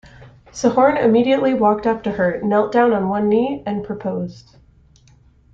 Sehorn immediately walked up to her, knelt down on one knee and proposed.